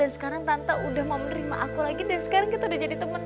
sekarang tante udah mau menerima aku lagi dan sekarang kita udah jadi teman